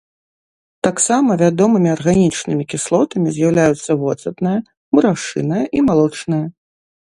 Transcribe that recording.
Таксама вядомымі арганічнымі кіслотамі з'яўляюцца воцатная, мурашыная і малочная.